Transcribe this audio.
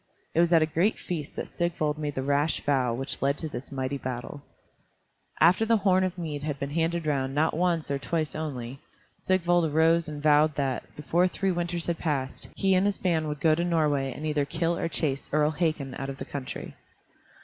It was at a great feast that Sigvald made the rash vow which led to this mighty battle. After the horn of mead had been handed round not once or twice only, Sigvald arose and vowed that, before three winters had passed, he and his band would go to Norway and either kill or chase Earl Hakon out of the country.